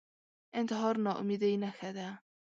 انتحار ناامیدۍ نښه ده